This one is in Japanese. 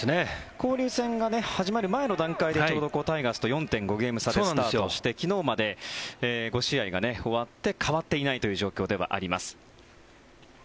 交流戦が始まる前の段階でちょうどタイガースと４．５ゲーム差でスタートして、昨日まで５試合が終わって変わっていないという状況ではあります。